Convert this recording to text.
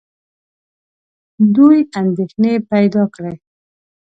دوی اندېښنې پیدا کړې.